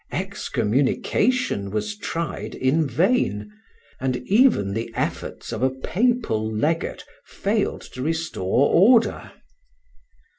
Excommunication was tried in vain, and even the efforts of a Papal legate failed to restore order.